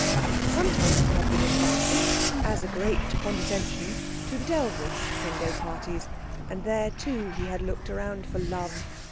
Sometimes he had been invited, as a great condescension, to the Dellwigs' Sunday parties; and there too he had looked around for Love.